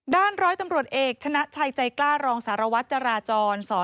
ร้อยตำรวจเอกชนะชัยใจกล้ารองสารวัตรจราจร